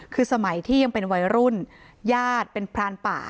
คือสมัยที่ยังเป็นวัยรุ่นญาติเป็นพรานป่า